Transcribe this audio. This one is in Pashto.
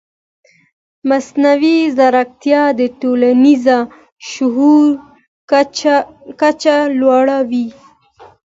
مصنوعي ځیرکتیا د ټولنیز شعور کچه لوړوي.